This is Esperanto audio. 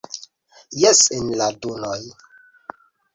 Jes, en la dunoj!